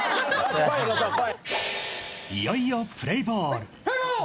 いよいよプレイボール。